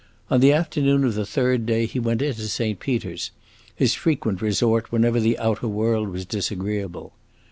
On the afternoon of the third day he went into Saint Peter's, his frequent resort whenever the outer world was disagreeable.